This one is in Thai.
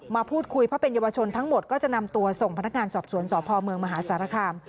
มาพูดคุยเพราะเป็นเยาวชนทั้งหมดก็จะนำตัวส่งพนักงานสอบสวนสพเมืองมหาสารคาม